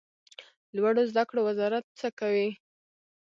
لوړو زده کړو وزارت څه کوي؟